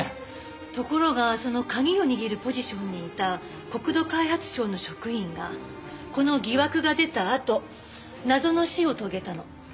ところがその鍵を握るポジションにいた国土開発省の職員がこの疑惑が出たあと謎の死を遂げたの。